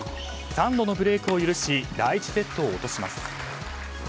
３度のブレークを許し第１セットを落とします。